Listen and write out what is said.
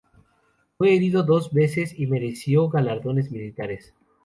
Fue herido dos veces, y mereció galardones militares.